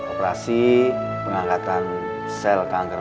operasi pengangkatan sel kanker